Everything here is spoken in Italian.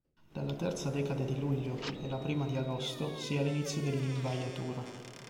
Dalla terza decade di luglio e la prima di agosto si ha l'inizio dell'invaiatura.